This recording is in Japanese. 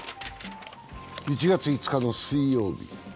１月５日、水曜日。